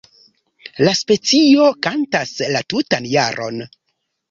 La specio kantas la tutan jaron.